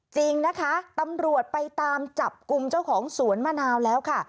จริงนะคะตำรวจไปตามจับกลุ่มเจ้าของสวนมะนาวแล้วค่ะ